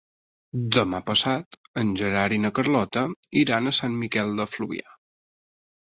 Demà passat en Gerard i na Carlota iran a Sant Miquel de Fluvià.